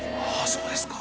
そうですか」